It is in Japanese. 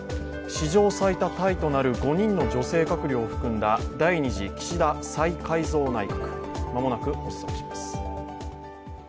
史上最多タイとな５人の女性閣僚を含んだ第２次岸田再改造内閣、間もなく発足します。